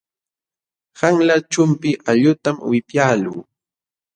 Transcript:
Qanla chumpi allqutam wipyaaluu.